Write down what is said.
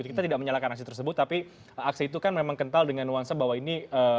kita tidak menyalahkan aksi tersebut tapi aksi itu kan memang kental dengan nuansa bahwa ini